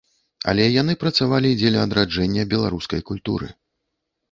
Але яны працавалі дзеля адраджэння беларускай культуры.